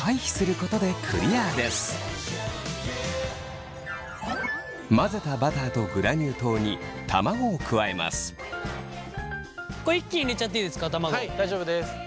これ一気に入れちゃっていいですか卵。